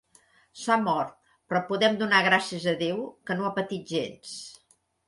S'ha mort, però podem donar gràcies a Déu, que no ha patit gens.